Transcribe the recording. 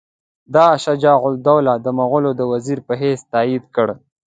ده شجاع الدوله د مغولو د وزیر په حیث تایید کړ.